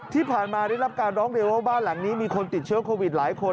ที่ผ่านมาได้รับการร้องเรียนว่าบ้านหลังนี้มีคนติดเชื้อโควิดหลายคน